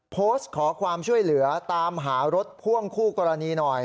โพสต์ขอความช่วยเหลือตามหารถพ่วงคู่กรณีหน่อย